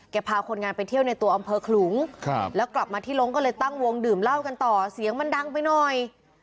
พาคนงานไปเที่ยวในตัวอำเภอขลุงแล้วกลับมาที่ลงก็เลยตั้งวงดื่มเหล้ากันต่อเสียงมันดังไปหน่อย